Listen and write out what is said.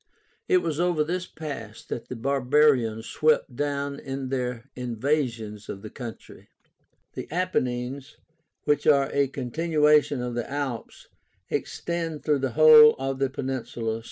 It was over this pass that the Barbarians swept down in their invasions of the country. The Apennines, which are a continuation of the Alps, extend through the whole of the peninsula.